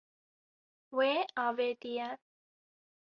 Wê avêtiye.